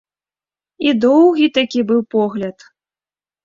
І доўгі такі быў погляд.